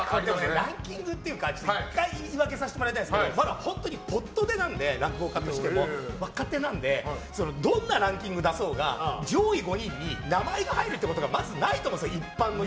ランキングっていうか１回言い訳させてもらいたいんですけどまだ本当にポッと出なので落語家では若手なのでどんなランキングを出そうか上位５人に名前が入るっていうことがないと思うんです。